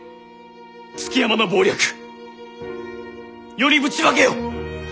築山の謀略世にぶちまけよ！